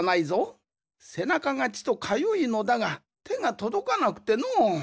せなかがちとかゆいのだがてがとどかなくてのう。